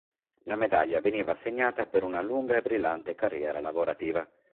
La medaglia veniva assegnata per una lunga e brillante carriera lavorativa.